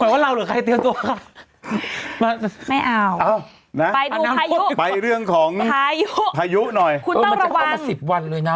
ว่ามันจะเป็นโรงบรรยาณสิบวันเลยนะ